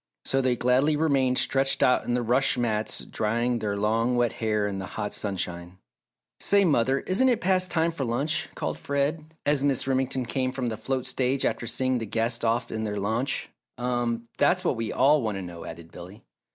So they gladly remained stretched out on the rush mats drying their long wet hair in the hot sunshine. "Say, mother, isn't it past time for lunch?" called Fred, as Mrs. Remington came from the float stage after seeing the guests off in their launch. "Um that's what we all want to know," added Billy.